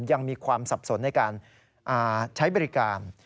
ยังมีความสับสนในการใช้บริการ